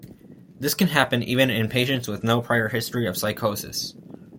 This can happen even in patients with no prior history of psychosis.